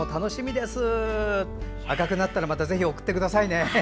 また赤くなったらぜひ送ってくださいね。